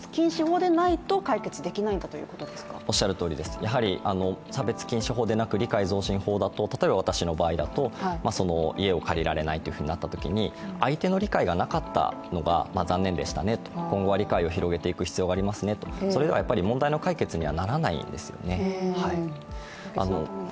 やはり差別禁止法でなく理解増進法だと、例えば私の場合だと家を借りられないとなったときに相手の理解がなかったのが残念でしたねと、今後は理解を広げていく必要がありますねと、それでは問題の解決にならないんですね。